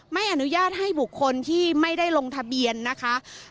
ไม่อนุญาตให้บุคคลที่ไม่ได้ลงทะเบียนนะคะ